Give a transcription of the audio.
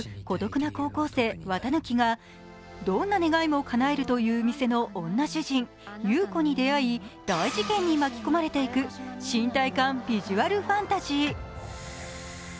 孤独な高校生・四月一日がどんな願いもかなえるという店の女主人・侑子に出会い、大事件に巻き込まれていく新体感ビジュアルファンタジー。